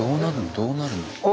どうなるの？